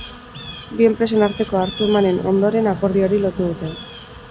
Bi enpresen arteko hartu-emanen ondoren akordio hori lotu dute.